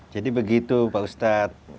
jadi begitu pak ustadz